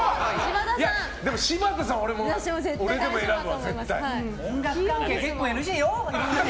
でも、柴田さんは俺も絶対選ぶわ。